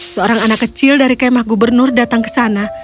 seorang anak kecil dari kemah gubernur datang ke sana